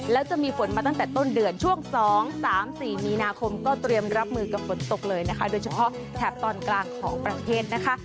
แล้วจะมีฝนมาตั้งแต่ต้นเดือนช่วง๒๓๔มีนาคมก็เตรียมรับมือกับฝนตกเลยนะคะโดยเฉพาะแถบตอนกลางของประเทศนะคะ